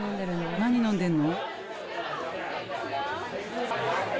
何飲んでんの？